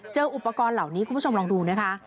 อุปกรณ์เหล่านี้คุณผู้ชมลองดูนะคะ